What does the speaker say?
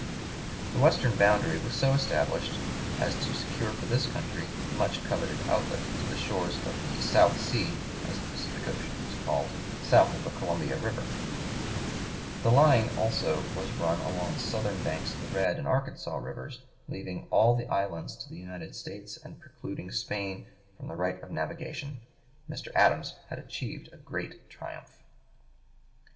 The western boundary was so established as to secure for this country the much coveted outlet to the shores of the "South Sea," as the Pacific Ocean was called, south of the Columbia River; the line also was run along the southern banks of the Red and Arkansas rivers, leaving all the islands to the United States and precluding Spain from the right of navigation. Mr. Adams had achieved a great triumph.